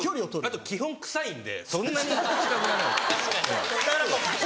あと基本臭いんでそんなに近づかない。